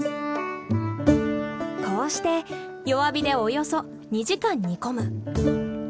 こうして弱火でおよそ２時間煮込む。